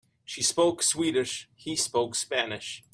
She spoke Swedish, he spoke Spanish.